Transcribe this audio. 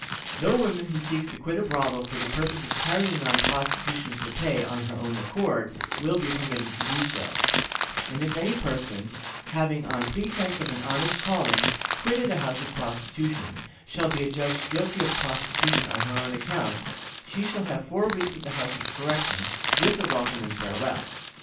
No woman who seeks to quit a brothel for the purpose of carrying on prostitution for pay on her own account will be permitted to do so; and if any person, having, on pretense of an honest calling, quitted a house of prostitution, shall be adjudged guilty of prostitution on her own account, she shall have four weeks at the House of Correction, with a welcome and farewell.